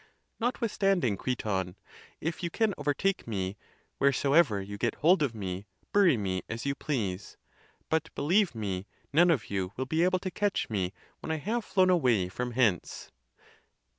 Notwithstanding, Criton, if you can overtake me, wheresoever you get hold of me, bury me as you please: but believe me, none of you will be able to catch me when I have flown away from hence."